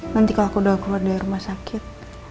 nanti kalau aku udah keluar dari rumah sakit